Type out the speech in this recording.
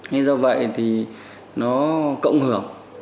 nên do vậy thì nó cộng hưởng